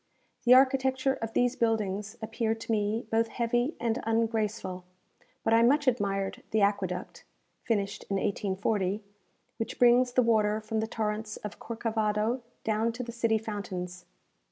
The architecture of these buildings appeared to me both heavy and ungraceful; but I much admired the aqueduct (finished in 1840), which brings the water from the torrents of Corcavado down to the city fountains.